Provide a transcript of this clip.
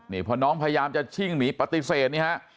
นี่พอน้องพยายามจะชิ่งหนีปฏิเสธนี่ฮะ